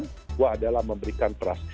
kedua adalah memberikan trust